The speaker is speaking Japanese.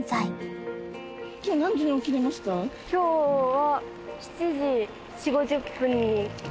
今日は。